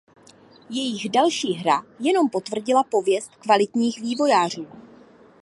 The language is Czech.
Jejich další hra jenom potvrdila pověst kvalitních vývojářů.